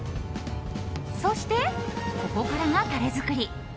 そして、ここからがタレ作り。